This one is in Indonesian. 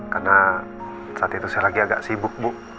karena saat itu saya lagi agak sibuk bu